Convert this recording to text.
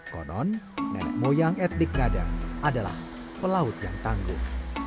konon nenek moyang etnik ngada adalah pelaut yang tangguh